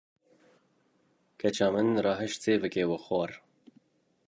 Keça min rahişt sêvekê û xwar.